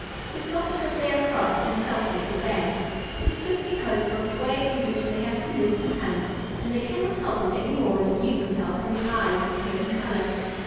It is not because they are cross, or selfish, or bad. It is just because of the way in which they have to live and hunt, and they cannot help it any more than you could help having eyes of a certain color.